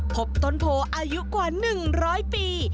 พบต้นโพอายุกว่า๑๐๐ปี